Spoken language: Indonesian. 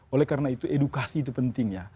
oleh karena itu edukasi itu penting ya